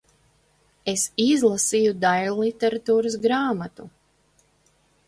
Es izlasīju daiļliteratūras grāmatu.